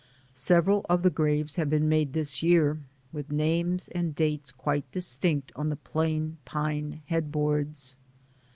Several of the graves have been made this year, with names and dates quite dis tinct on the plain pine headboards.